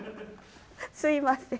すいません。